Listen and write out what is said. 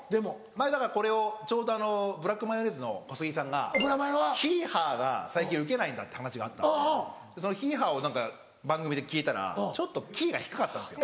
前だからこれをちょうどブラックマヨネーズの小杉さんが「ヒーハー」が最近ウケないんだって話があったんでその「ヒーハー」を番組で聞いたらちょっとキーが低かったんですよ。